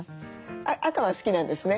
赤は好きなんですね。